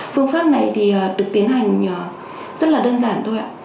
phương pháp này thì được tiến hành rất là đơn giản thôi ạ